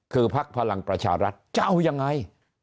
คือพักพลังประชารัฐจะเอายังไง